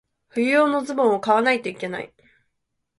冬用のズボンを買わないといけない。